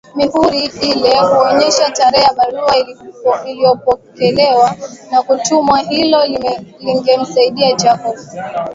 Mihuri ile huonesha tarehe ya barua iliyopokelewa na kutumwa hilo lingemsaidia Jacob